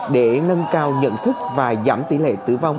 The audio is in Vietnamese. để nâng cao nhận thức và giảm tỷ lệ tử vong